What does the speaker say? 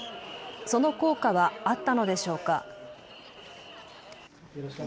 その効果はあったのでしょうか。